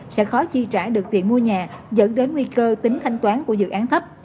sẽ khó chi trả được tiền mua nhà dẫn đến nguy cơ tính thanh toán của dự án thấp